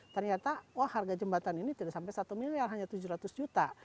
ternyata wah harga jembatan ini tidak sampai satu miliar hanya tujuh ratus juta